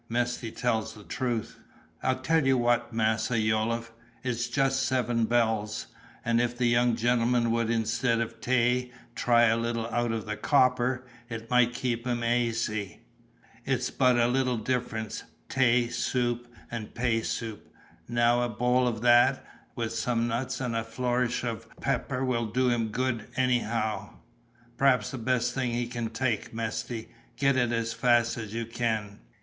Mesty tells the truth." "I tell you what, Massa Yolliffe, it just seven bells, and if the young gentleman would instead of tay try a little out of the copper, it might keep him asy. It but a little difference, tay soup and pay soup. Now a bowl of that, with some nuts and a flourish of pepper, will do him good, anyhow." "Perhaps the best thing he can take, Mesty; get it as fast as you can."